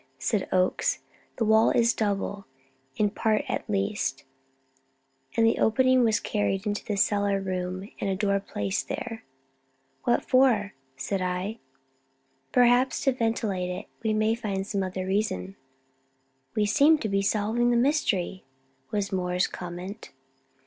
said Oakes. "The wall is double in part at least and the opening was carried into the cellar room and a door placed there." "What for?" said I. "Perhaps to ventilate it. We may find some other reason." "We seem to be solving the mystery," was Moore's comment.